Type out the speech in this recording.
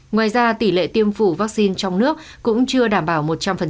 ngoài ra tỷ lệ tiêm chủng vaccine trong nước cũng chưa đảm bảo một trăm linh